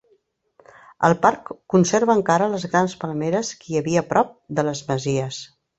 El parc conserva encara les grans palmeres que hi havia prop de les masies.